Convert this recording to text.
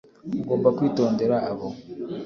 ugomba kwitondera abo